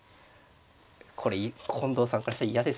これ近藤さんからしたら嫌ですよね。